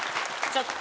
ちょっと。